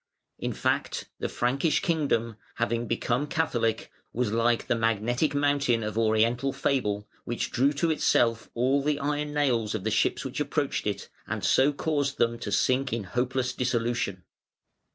In fact, the Frankish kingdom, having become Catholic, was like the magnetic mountain of Oriental fable, which drew to itself all the iron nails of the ships which approached it, and so caused them to sink in hopeless dissolution.